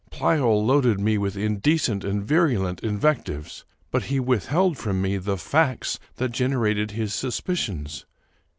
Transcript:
Pleyel loaded me with in decent and virulent invectives, but he withheld from me the facts that generated his suspicions.